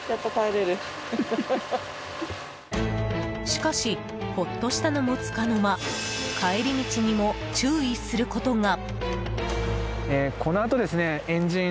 しかしほっとしたのも束の間帰り道にも注意することが。